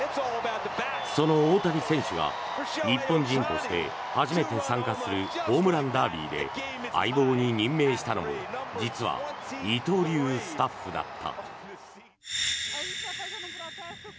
その大谷選手が日本人として初めて参加するホームランダービーで相棒に任命したのも実は二刀流スタッフだった。